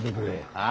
ああ？